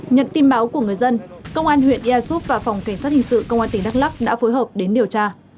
nhận tin báo của người dân công an huyện ea súp và phòng cảnh sát hình sự công an tỉnh đắk lắc đã phối hợp đến điều tra